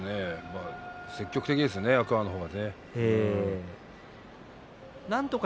積極的ですね、天空海の方が。